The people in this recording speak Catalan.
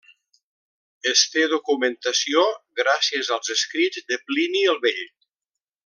Es té documentació gràcies als escrits de Plini el Vell.